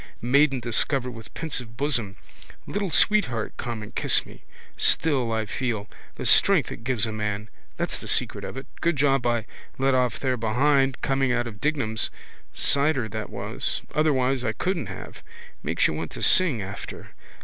Maiden discovered with pensive bosom. Little sweetheart come and kiss me. Still, I feel. The strength it gives a man. That's the secret of it. Good job I let off there behind the wall coming out of Dignam's. Cider that was. Otherwise I couldn't have. Makes you want to sing after.